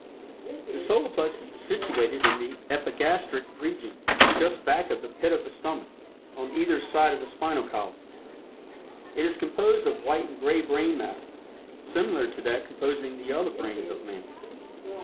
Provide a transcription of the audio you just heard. The Solar Plexus is situated in the Epigastric region, just back of the "pit of the stomach" on either side of the spinal column. It is composed of white and gray brain matter, similar to that composing the other brains of man.